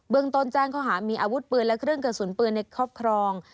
เมืองต้นแจ้งข้อหามีอาวุธปืนและเครื่องกระสุนปืนในครอบครอง